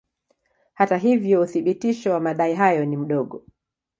Hata hivyo uthibitisho wa madai hayo ni mdogo.